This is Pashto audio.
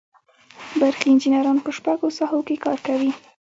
برقي انجینران په شپږو ساحو کې کار کوي.